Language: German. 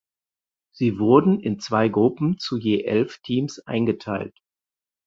Sie wurden in zwei Gruppen zu je elf Teams eingeteilt.